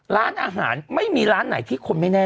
ร้านอาหารไม่มีร้านไหนที่คนไม่แน่